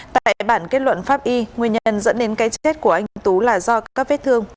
tại bản kết luận pháp y nguyên nhân dẫn đến cái chết của anh tú là do các vết thương